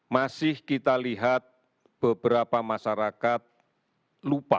masih kita lihat beberapa masyarakat lupa